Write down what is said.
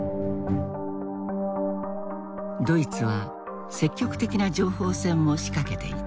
ドイツは積極的な情報戦も仕掛けていた。